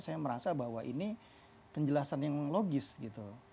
saya merasa bahwa ini penjelasan yang logis gitu